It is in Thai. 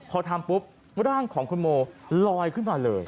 พอทำปุ๊บร่างของคุณโมลอยขึ้นมาเลย